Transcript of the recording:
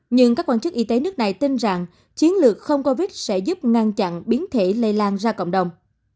nhưng các quan chức y tế nước này tin rằng chiến lược không covid sẽ giúp ngăn chặn biến thể lây lan ra cộng đồng